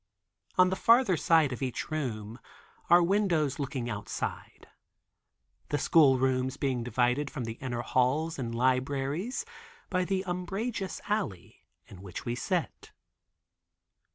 On the farther side of each room are windows looking outside. The school rooms being divided from the inner halls and libraries by the umbrageous alley, in which we sit.